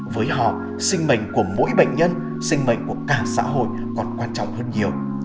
với họ sinh mệnh của mỗi bệnh nhân sinh mệnh của cả xã hội còn quan trọng hơn nhiều